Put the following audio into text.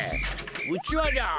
うちわじゃ。